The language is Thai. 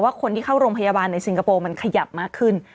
คนที่เข้าโรงพยาบาลในสิงคโปร์มันขยับมากขึ้น